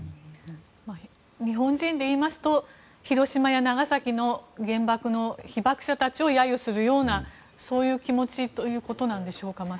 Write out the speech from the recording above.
日本人でいいますと広島や長崎の原爆の被爆者たちを揶揄するようなそういう気持ちということなんでしょうか。